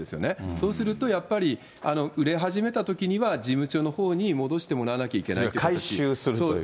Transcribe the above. そうすると、やっぱり売れ始めたときには事務所のほうに戻してもらわなきゃい回収するという。